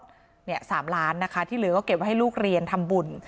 ๓ล้านนะคะที่เหลือก็เก็บไว้ให้ลูกเรียนทำบุญ